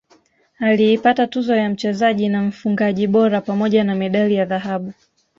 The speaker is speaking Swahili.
aliipata tuzo ya mchezaji na mfungaji bora pamoja na medali ya dhahabu